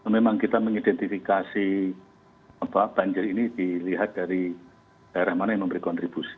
memang kita mengidentifikasi banjir ini dilihat dari daerah mana yang memberi kontribusi